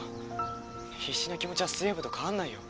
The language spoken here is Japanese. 必死な気持ちは水泳部と変わんないよ。